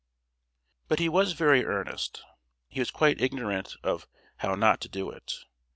] But he was very earnest. He was quite ignorant of How Not to Do it.